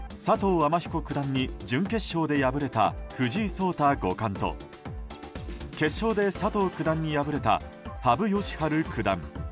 天彦九段に準決勝で敗れた藤井聡太五冠と決勝で佐藤九段に敗れた羽生善治九段。